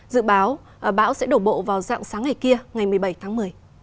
dự báo bão sẽ đổ bộ vào dạng sáng ngày kia ngày một mươi bảy tháng một mươi